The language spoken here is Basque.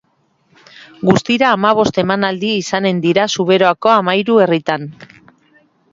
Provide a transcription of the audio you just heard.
Guztira hamabost emanaldi izanen dira Zuberoako hamahiru herritan.